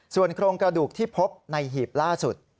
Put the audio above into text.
ส่วนโครงกระดูกที่พบในหีบล่าสุด